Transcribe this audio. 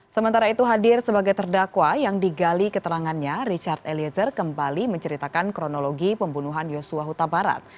sementara itu hadir sebagai terdakwa yang digali keterangannya richard eliezer kembali menceritakan kronologi pembunuhan yosua huta barat